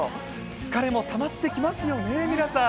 疲れもたまってきますよね、皆さん。